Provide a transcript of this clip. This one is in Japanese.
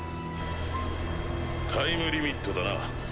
タイムリミットだな。